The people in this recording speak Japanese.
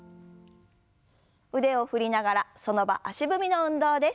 腕を振りながらその場足踏みの運動です。